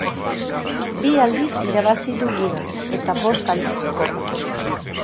Bi aldiz irabazi du liga eta bost aldiz kopa.